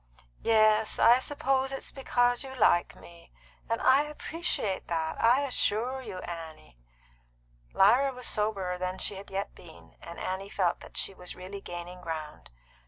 "Yes, I suppose it's because you like me; and I appreciate that, I assure you, Annie." Lyra was soberer than she had yet been, and Annie felt that she was really gaining ground.